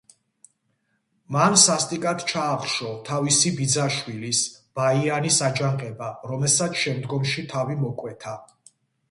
მან სასტიკად ჩაახშო თავისი ბიძაშვილის, ბაიანის აჯანყება, რომელსაც შემდგომში თავი მოჰკვეთა.